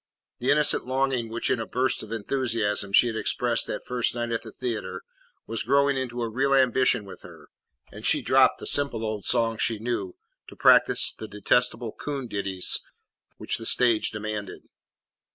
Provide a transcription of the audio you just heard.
The innocent longing which in a burst of enthusiasm she had expressed that first night at the theatre was growing into a real ambition with her, and she dropped the simple old songs she knew to practise the detestable coon ditties which the stage demanded.